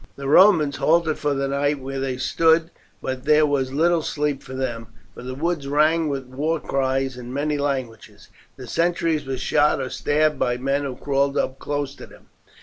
The Romans halted for the night where they stood, but there was little sleep for them, for the woods rang with war cries in many languages. The sentries were shot or stabbed by men who crawled up close to them.